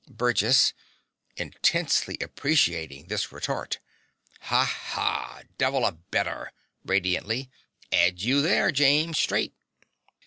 BURGESS (intensely appreciating this retort). Ha, ha! Devil a better. (Radiantly.) 'Ad you there, James, straight.